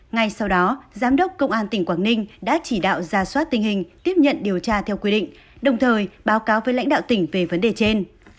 ngay sau đó giám đốc công an tỉnh quảng ninh đã chỉ đạo ra soát tình hình tiếp nhận điều tra theo quy định đồng thời báo cáo với lãnh đạo tỉnh về vấn đề trên